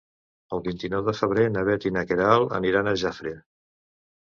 El vint-i-nou de febrer na Bet i na Queralt aniran a Jafre.